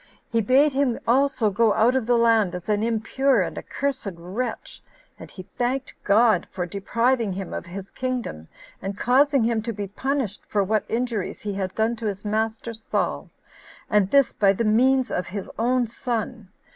He bade him also go out of the land as an impure and accursed wretch; and he thanked God for depriving him of his kingdom, and causing him to be punished for what injuries he had done to his master [Saul], and this by the means of his own son.